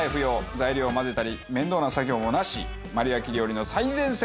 材料を混ぜたり面倒な作業もなし。